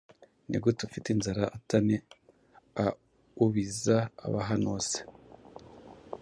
Nigute ufite inzara atani aubiza abahanuzi